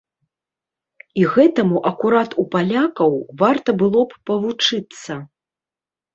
І гэтаму акурат у палякаў варта было б павучыцца!